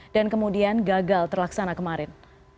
dan kemudian gagal terlaksana kemarin